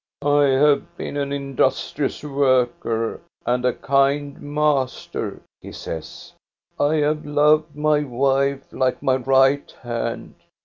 " I have been an industrious worker and a kind master," he says. " I have loved my wife like my right hand.